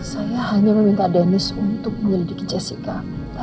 saya hanya meminta dennis untuk menyelidiki jessica